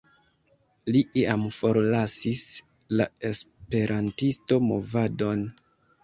Li iam forlasis la esperantisto-movadon.